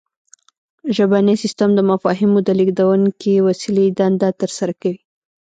ژبنی سیستم د مفاهیمو د لیږدونکې وسیلې دنده ترسره کوي